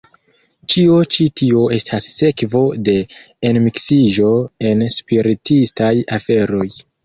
Ĉio ĉi tio estas sekvo de enmiksiĝo en spiritistaj aferoj.